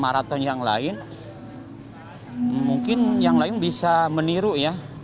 maraton yang lain mungkin yang lain bisa meniru ya